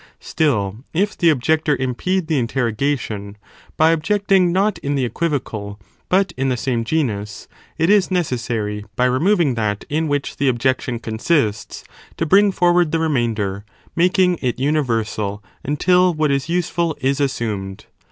Still if the objector impede the interroga tion, by objecting not in the equivocal, but in the same genus, it is necessary by removing that, in which the objection con sists, to bring forward the remainder, making it universal, until what is useful is assumed.